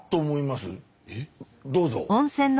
どうぞ。